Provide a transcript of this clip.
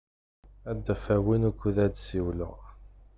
Ad d-afeɣ win wukud ad ssiwleɣ.